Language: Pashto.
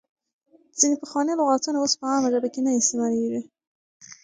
ځینې پخواني لغاتونه اوس په عامه ژبه کې نه استعمالېږي.